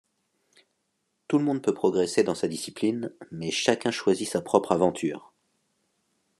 Tout le monde peut progresser dans sa discipline, mais chacun choisit sa propre aventure.